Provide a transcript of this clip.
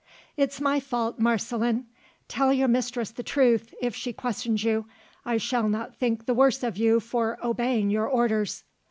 "It's my fault, Marceline. Tell your mistress the truth, if she questions you. I shall not think the worse of you for obeying your orders."